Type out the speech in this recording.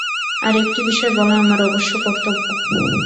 আর একটি বিষয় বলা আমার অবশ্য কর্তব্য।